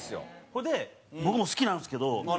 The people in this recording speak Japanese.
それで僕も好きなんですけど。